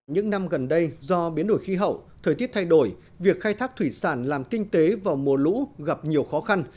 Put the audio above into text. những năm gần đây do biến đổi khí hậu thời tiết thay đổi việc khai thác thủy sản làm kinh tế vào mùa lũ gặp nhiều khó khăn